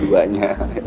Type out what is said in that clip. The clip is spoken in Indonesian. yaudah bentar ya